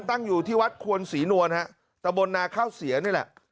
ตั้งอยู่ที่วัดควรศรีนวลฮะตะบนนาข้าวเสียนี่แหละ